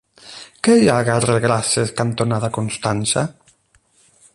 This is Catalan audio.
Què hi ha al carrer Grases cantonada Constança?